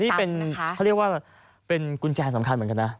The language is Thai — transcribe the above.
นี่เป็นเขาเรียกว่าเป็นกุญแจสำคัญเหมือนกันนะ